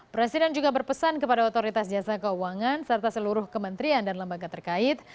presiden juga berpesan kepada otoritas jasa keuangan serta seluruh kementerian dan lembaga terkait